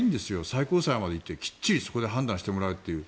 最高裁まで行ってきっちりそこで判断してもらうという。